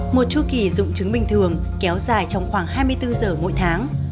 một chu kỳ dung trứng bình thường kéo dài trong khoảng hai mươi bốn giờ mỗi tháng